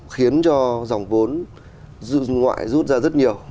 khiến cho dòng vốn ngoại rút ra rất nhiều